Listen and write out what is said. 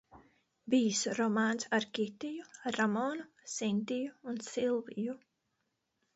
Bijis romāns ar Kitiju, Ramonu, Sintiju un Silviju.